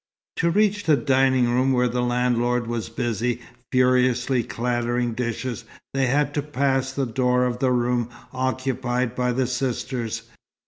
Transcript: To reach the dining room, where the landlord was busy, furiously clattering dishes, they had to pass the door of the room occupied by the sisters.